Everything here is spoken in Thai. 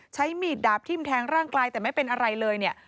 ใช้มีดดาบทิ้มแทงร่างกายแต่ไม่เป็นอะไรเลยเนี่ย